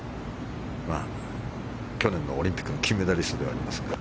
去年のオリンピックの金メダリストでもあります。